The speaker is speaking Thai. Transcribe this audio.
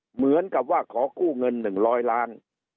เหมือนกับว่าขอกู้เงิน๑๐๐ล้าน